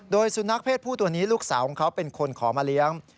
โดยสุนัขเพศผู้ตัวนี้ลูกสาวของเขาเป็นคนขอมาเลี้ยง